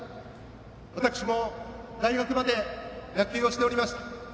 私も大学まで野球をしておりました。